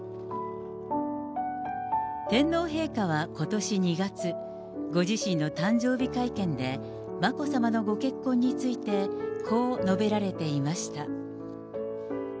天皇陛下はことし２月、ご自身の誕生日会見で、眞子さまのご結婚について、こう述べられていました。